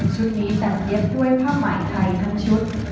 ชุดนี้แต่งเย็บด้วยภาพหมายไทยทั้งชุด